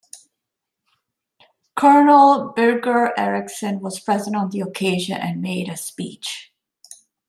Colonel Birger Eriksen was present on the occasion and made a speech.